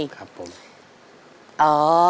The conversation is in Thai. ครับผม